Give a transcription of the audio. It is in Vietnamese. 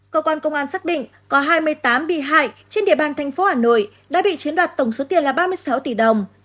cơ quan công an xác định có hai mươi tám bị hại trên địa bàn thành phố hà nội đã bị chiếm đoạt tổng số tiền là ba mươi sáu tỷ đồng